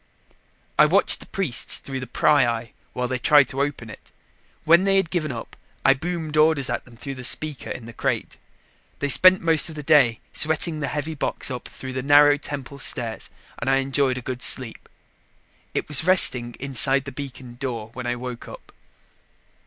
I watched the priests through the pryeye while they tried to open it. When they had given up, I boomed orders at them through a speaker in the crate. They spent most of the day sweating the heavy box up through the narrow temple stairs and I enjoyed a good sleep. It was resting inside the beacon door when I woke up.